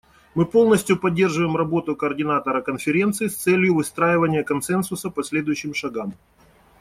Мы полностью поддерживаем работу координатора конференции с целью выстраивания консенсуса по следующим шагам.